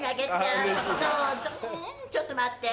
どうぞちょっと待って。